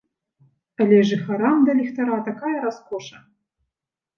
Але жыхарам да ліхтара такая раскоша.